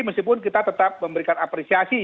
meskipun kita tetap memberikan apresiasi